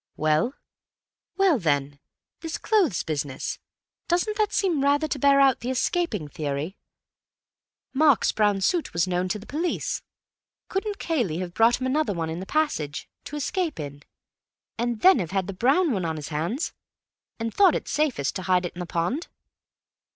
Well?" "Well, then, this clothes business. Doesn't that seem rather to bear out the escaping theory? Mark's brown suit was known to the police. Couldn't Cayley have brought him another one in the passage, to escape in, and then have had the brown one on his hands? And thought it safest to hide it in the pond?"